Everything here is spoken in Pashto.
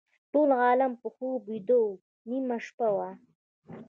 ټول عالم په خوب ویده و نیمه شپه وه.